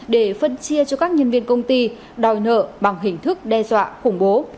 để phân chia cho các nhân viên công ty đòi nợ bằng hình thức đe dọa khủng bố